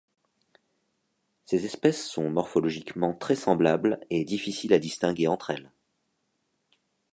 Ces espèces sont morphologiquement très semblables et difficiles à distinguer entre elles.